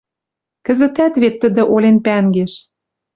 Кӹзӹтӓт вет тӹдӹ олен пӓнгеш.